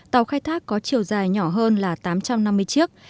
tàu khai thác có chiều dài nhỏ hơn là tám trăm năm mươi chiếc